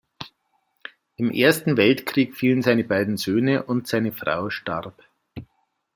Im Ersten Weltkrieg fielen seine beiden Söhne, und seine Frau starb.